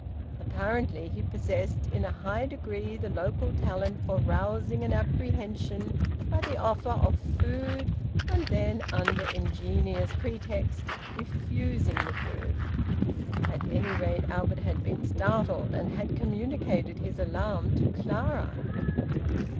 Apparently he possessed in a high degree the local talent for rousing an apprehension by the offer of food, and then under ingenious pretexts refusing the food. At any rate, Albert had been startled, and had communicated his alarm to Clara.